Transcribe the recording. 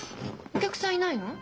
お客さんいないの？